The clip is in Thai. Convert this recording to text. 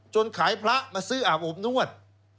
ขายพระมาซื้ออาบอบนวด